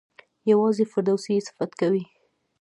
یوازې فردوسي یې صفت کوي.